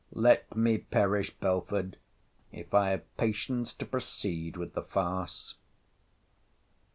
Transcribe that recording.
Let me perish, Belford, if I have patience to proceed with the farce!